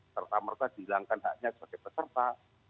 serta merta dihilangkan haknya sebagai peserta